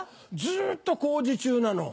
ずっと工事中なの。